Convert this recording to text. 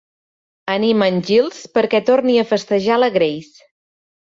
Anima en Giles perquè torni a festejar la Grace.